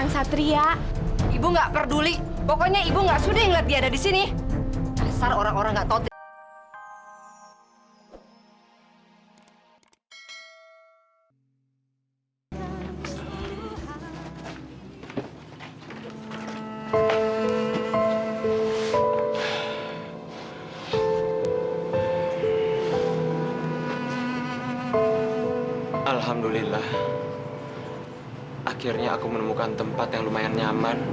sampai jumpa di video selanjutnya